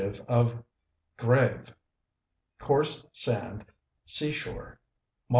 of grave, coarse sand, sea shore, Mod.